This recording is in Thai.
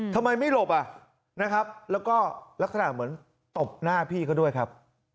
ทำไมไม่หลบอ่ะนะครับแล้วก็ลักษณะเหมือนตบหน้าพี่เขาด้วยครับ